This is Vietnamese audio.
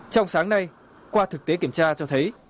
trong sáng nay qua thực tế kiểm tra cho thấy